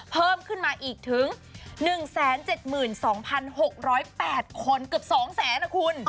เพิ่มขึ้นมาอีกถึง๑๗๒๖๐๘คนเกือบ๒แสนนะคุณ